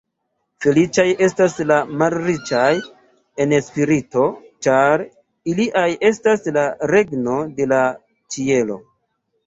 Feliĉaj estas la malriĉaj en spirito, ĉar ilia estas la regno de la ĉielo.